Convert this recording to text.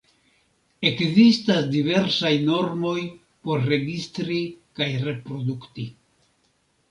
Ekzistas diversaj normoj por registri kaj reprodukti.